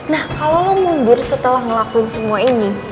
nah kalau lo mundur setelah ngelakuin semua ini